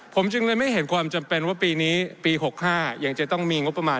ผมจึงเลยไม่เห็นความจำเป็นว่าปีนี้ปี๖๕ยังจะต้องมีงบประมาณ